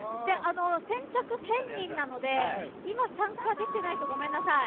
先着１０００人なので今参加できてない人ごめんなさい。